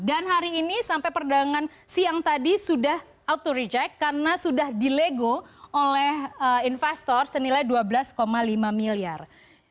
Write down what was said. dan hari ini sampai perdagangan siang tadi sudah auto reject karena sudah di lego oleh investor senilai dua belas lima miliar